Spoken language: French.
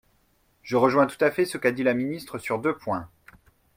Je rejoins tout à fait ce qu’a dit la ministre sur deux points.